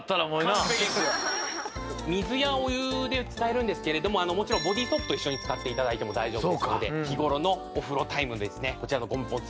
水やお湯で使えるんですけれどももちろんボディソープと一緒に使って頂いても大丈夫ですので日頃のお風呂タイムにですねこちらのゴムポン